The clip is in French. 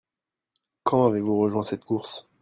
Quand avez-vous rejoint cette course ?